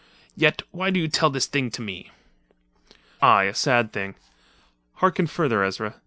Yet why do you tell this thing to me?" "Aye, a sad thing. Harken further, Ezra.